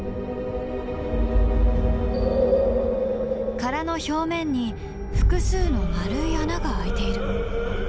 殻の表面に複数の丸い穴が開いている。